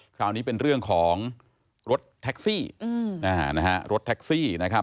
คราวนี้เป็นเรื่องของรถแท็กซี่นะฮะรถแท็กซี่นะครับ